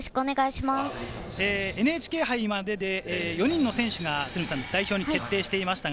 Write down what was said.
ＮＨＫ杯までで４人の選手が代表に決定していました。